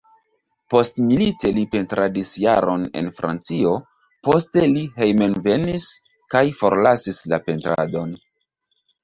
Postmilite li pentradis jaron en Francio, poste li hejmenvenis kaj forlasis la pentradon.